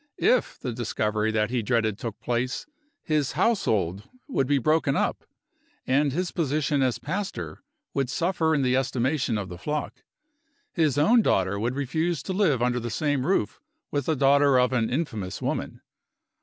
If the discovery that he dreaded took place, his household would be broken up, and his position as pastor would suffer in the estimation of the flock. His own daughter would refuse to live under the same roof with the daughter of an infamous woman.